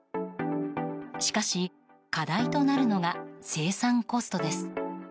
しかし課題となるのが生産コストです。